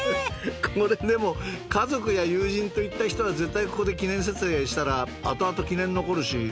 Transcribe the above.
これでも家族と友人と行った人は絶対ここで記念撮影したら後々記念に残るしいいよね。